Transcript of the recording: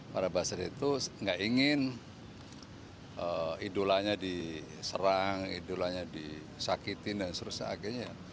para buzzer itu nggak ingin idolanya diserang idolanya disakitin dan sebagainya